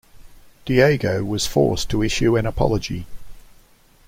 Diageo was forced to issue an apology.